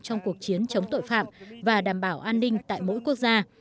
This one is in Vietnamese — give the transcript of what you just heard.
trong cuộc chiến chống tội phạm và đảm bảo an ninh tại mỗi quốc gia